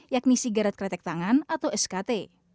yakni sigaret kretek tangan atau skt